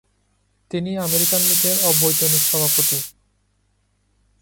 তিনি আমেরিকান লীগের অবৈতনিক সভাপতি।